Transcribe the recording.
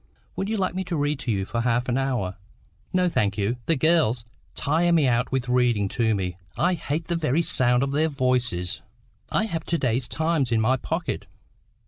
Would you like me to read to you for half an hour?" "No, thank you. The girls tire me out with reading to me. I hate the very sound of their voices." "I have got to day's Times in my pocket."